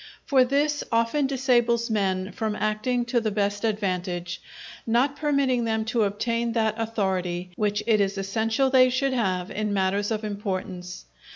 For this often disables men from acting to the best advantage, not permitting them to obtain that authority which it is essential they should have in matters of importance.